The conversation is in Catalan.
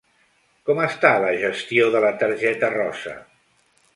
Com està la gestió de la targeta rosa?